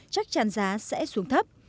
chắc tràn giá sẽ xuống thấp